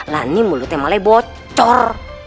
nah ini mulutnya malah bocor